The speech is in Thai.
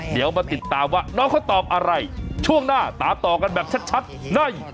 เดี๋ยวมาติดตามว่าน้องเขาตอบอะไรช่วงหน้าตามต่อกันแบบชัดใน